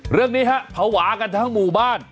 เรื่องนี้ฮะภาวะกันทั้งหมู่บ้าน